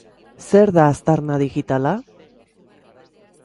Zer da aztarna digitala?